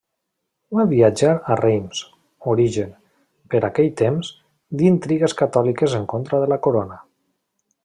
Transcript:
Va viatjar a Reims, origen, per aquell temps, d'intrigues catòliques en contra de la Corona.